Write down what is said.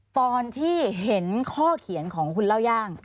ตอนที่เห็นข้อเขียนของคุณเล่าย่าง